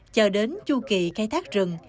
chờ đến chu kỳ cây thác rừng